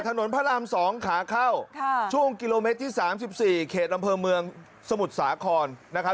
ถนนพระราม๒ขาเข้าช่วงกิโลเมตรที่๓๔เขตอำเภอเมืองสมุทรสาครนะครับ